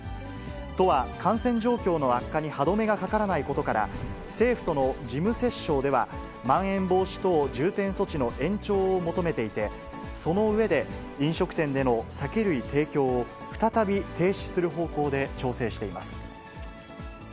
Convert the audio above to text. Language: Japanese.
都は感染状況の悪化に歯止めがかからないことから、政府との事務折衝では、まん延防止等重点措置の延長を求めていて、その上で、飲食店での酒類提供を再び停止する方向で調整しています。